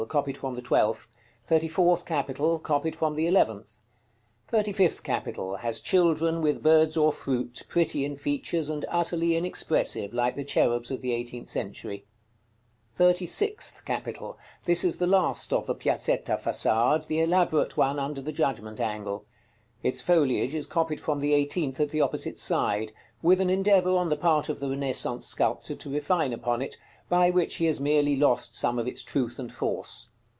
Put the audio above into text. Copied from the twelfth. THIRTY FOURTH CAPITAL. Copied from the eleventh. THIRTY FIFTH CAPITAL. Has children, with birds or fruit, pretty in features, and utterly inexpressive, like the cherubs of the eighteenth century. § CXXVII. THIRTY SIXTH CAPITAL. This is the last of the Piazzetta façade, the elaborate one under the Judgment angle. Its foliage is copied from the eighteenth at the opposite side, with an endeavor on the part of the Renaissance sculptor to refine upon it, by which he has merely lost some of its truth and force.